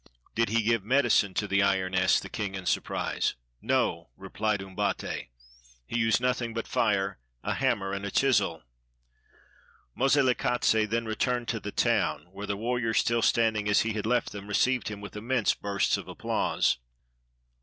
"Did he give medicine to the iron?" asked the king in surprise. "No," repHed Umbate; "he used nothing but fire, a hammer,' and a chisel." Moselekatse then returned to the town, where the warriors, still standing as he had left them, received him with immense bursts of applause.